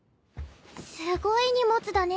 すごい荷物だね。